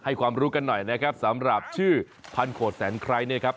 ความรู้กันหน่อยนะครับสำหรับชื่อพันโขดแสนไคร้เนี่ยครับ